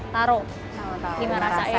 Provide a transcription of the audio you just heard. taruh lima rasa